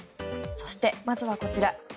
そして、まずはこちら。